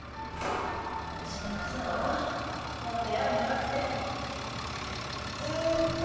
私なんかさあもう出会いもなくてずっと孤独なのよ。